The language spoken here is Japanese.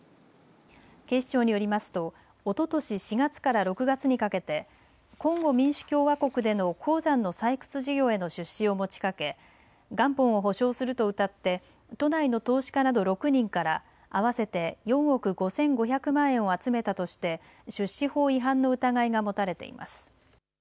警視庁によりますとおととし４月から６月にかけてコンゴ民主共和国での鉱山の採掘事業への出資を持ちかけ元本を保証するとうたって都内の投資家など６人から合わせて４億５５００万円を集めたとして出資法違反の疑いが持たれています。